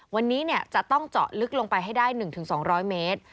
วันนี้เนี้ยจะต้องเจาะลึกลงไปให้ได้หนึ่งถึงสองร้อยเมตร